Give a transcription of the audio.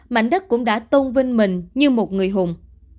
mảnh đất cũng đã tôn vinh mình như một người hùng